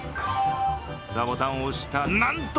ボタンを押した、なんと！